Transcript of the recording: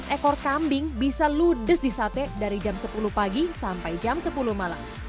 enam ekor kambing bisa ludes di sate dari jam sepuluh pagi sampai jam sepuluh malam